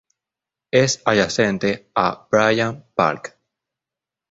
Es adyacente a Bryant Park.